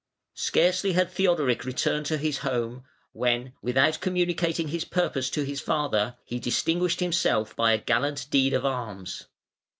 Scarcely had Theodoric returned to his home when, without communicating his purpose to his father, he distinguished himself by a gallant deed of arms.